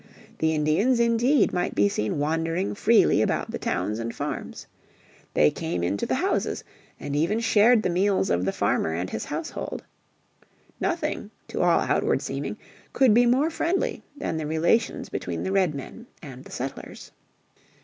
The Indians, indeed, might be seen wandering freely about the towns and farms. They came into the houses, and even shared the meals of the farmer and his household. Nothing, to all outward seeming, could be more friendly than the relations between the Redmen and the settlers.